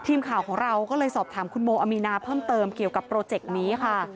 ทีมข่าวของเราก็เลยสอบถามคุณโมอามีนาเพิ่มเติมเกี่ยวกับโปรเจกต์นี้ค่ะ